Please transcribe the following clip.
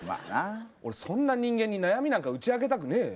俺そんな人間に悩みなんか打ち明けたくねえよ。